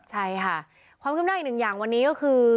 ใช่ค่ะความขึ้นหน้าอีกหนึ่งอย่างวันนี้ก็คือ